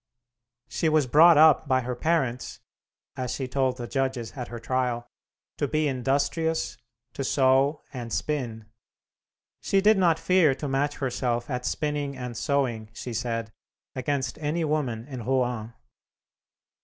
She was brought up by her parents (as she told the judges at her trial) to be industrious, to sew and spin. She did not fear to match herself at spinning and sewing, she said, against any woman in Rouen.